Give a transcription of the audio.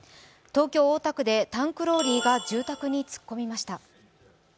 東京・大田区でタンクローリーが住宅に突っ込みました。